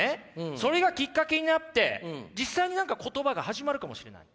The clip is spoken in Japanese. それがきっかけになって実際に何か言葉が始まるかもしれない。